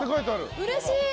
うれしい！